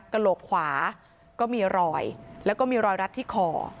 กระโหลกขวาก็มีรอยแล้วก็มีรอยรัดที่คอ